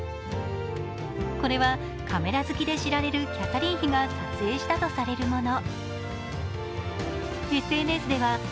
これは、カメラ好きで知られるキャサリン妃が撮影したとされるもの。